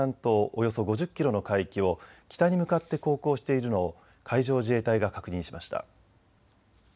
およそ５０キロの海域を北に向かって航行しているのを海上自衛隊が確認しました。